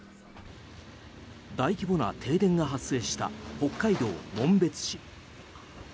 大規模な停電が発生した北海道紋別市。